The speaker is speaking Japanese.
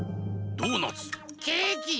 ドーナツ。